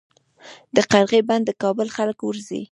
د قرغې بند د کابل خلک ورځي